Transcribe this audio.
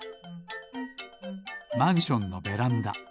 マンションのベランダ。